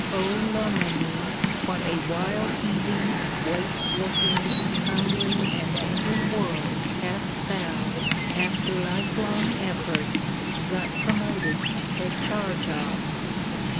O Loménie, what a wild heaving, waste looking, hungry and angry world hast thou, after lifelong effort, got promoted to take charge of!